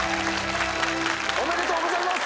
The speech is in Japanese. おめでとうございます！